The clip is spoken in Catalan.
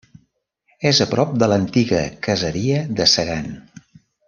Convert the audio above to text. És a prop de l'antiga caseria de Segan.